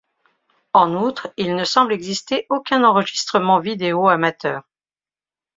En outre il ne semble exister aucun enregistrement vidéo amateur.